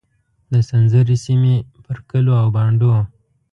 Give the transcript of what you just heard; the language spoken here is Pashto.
د سنځري سیمې پر کلیو او بانډونو.